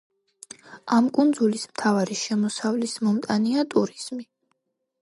ამ კუნძულის მთავარი შემოსავლის მომტანია ტურიზმი.